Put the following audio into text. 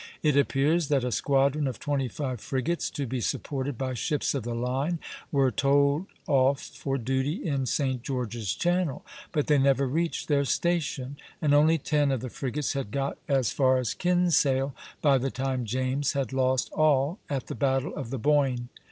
It appears that a squadron of twenty five frigates, to be supported by ships of the line, were told off for duty in St. George's Channel; but they never reached their station, and only ten of the frigates had got as far as Kinsale by the time James had lost all at the battle of the Boyne.